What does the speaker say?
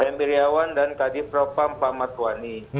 m birjawan dan k prof pak matwani